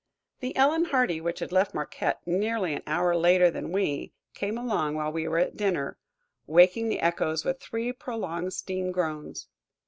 The "Ellen Hardy," which had left Marquette nearly an hour later than we, came along while we were at dinner, waking the echoes with three prolonged steam groans.